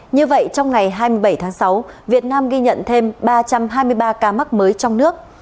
như vậy trong ngày hai mươi bảy tháng sáu việt nam ghi nhận thêm ba trăm hai mươi ba ca mắc mới trong nước